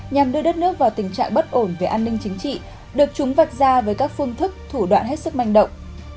nhằm đưa đất nước vào tình trạng bất ổn về an ninh chính trị được chúng vạch ra với các phương thức thủ đoạn hết sức manh động